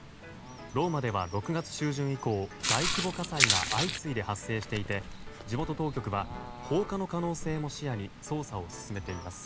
ローマでは６月中旬以降大規模火災が相次いで発生していて地元当局は放火の可能性も視野に捜査を進めています。